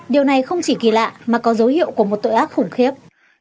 điều này không chỉ kỳ lạ mà có dấu hiệu của một tội ác khủng khiếp